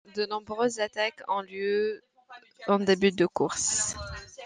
De nombreuses attaques ont lieu en début de course.